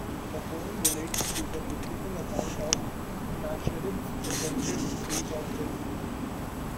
The poem relates to the Biblical account of Sennacherib's attempted siege of Jerusalem.